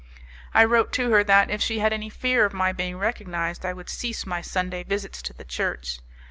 I wrote to her that, if she had any fear of my being recognized I would cease my Sunday visits to the church.